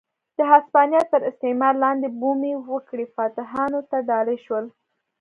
د هسپانیا تر استعمار لاندې بومي وګړي فاتحانو ته ډالۍ شول.